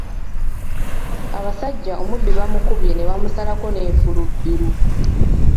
Abasajja omubbi baamukubye ne bamusalako n'enfulubiru.